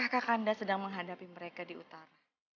kakak kanda sedang menghadapi mereka di utara